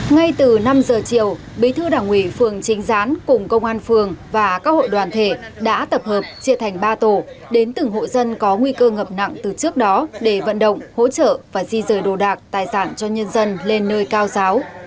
ngay từ năm giờ chiều bí thư đảng ủy phường trinh gián cùng công an phường và các hội đoàn thể đã tập hợp chia thành ba tổ đến từng hộ dân có nguy cơ ngập nặng từ trước đó để vận động hỗ trợ và di rời đồ đạc tài sản cho nhân dân lên nơi cao giáo